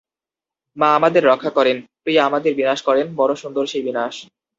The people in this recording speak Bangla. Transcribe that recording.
মা আমাদের রক্ষা করেন, প্রিয়া আমাদের বিনাশ করেন– বড়ো সুন্দর সেই বিনাশ।